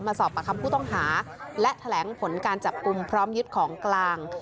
สอบประคำผู้ต้องหาและแถลงผลการจับกลุ่มพร้อมยึดของกลาง